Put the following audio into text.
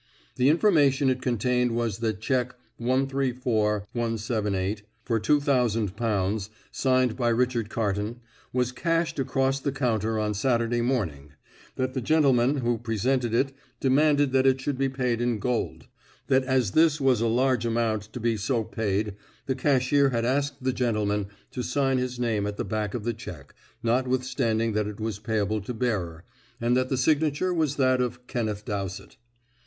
The information it contained was that cheque 134,178, for two thousand pounds, signed by Richard Carton, was cashed across the counter on Saturday morning; that the gentleman who presented it demanded that it should be paid in gold; that as this was a large amount to be so paid the cashier had asked the gentleman to sign his name at the back of the cheque, notwithstanding that it was payable to bearer, and that the signature was that of Kenneth Dowsett.